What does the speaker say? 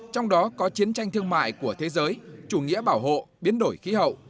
trong đó có chiến tranh thương mại của thế giới chủ nghĩa bảo hộ biến đổi khí hậu